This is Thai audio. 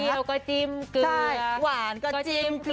อันนี้เราก็จิ้มเกลือหวานก็จิ้มเกลือ